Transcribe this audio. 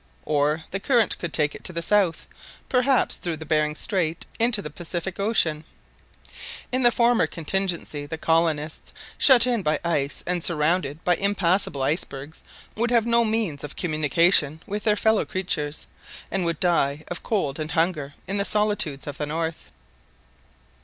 Or the current would take it to the south, perhaps through the Behring Strait into the Pacific Ocean. In the former contingency, the colonists, shut in by ice and surrounded by impassable icebergs, would have no means of communication with their fellow creatures, and would die of cold and hunger in the solitudes of the north.